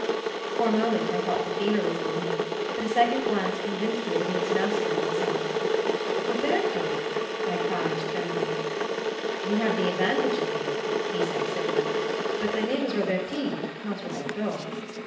For a moment I thought the fever was on him; but a second glance convinced me that he was master of himself. "Roberto!" I cried, trembling. "You have the advantage of me," he said civilly. "But my name is Roberti, not Roberto."